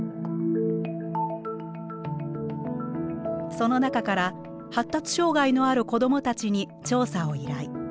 その中から発達障害のある子どもたちに調査を依頼。